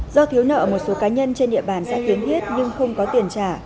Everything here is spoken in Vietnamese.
do thiếu nợ một số cá nhân trên địa bàn xã kiến thiết nhưng không có tiền trả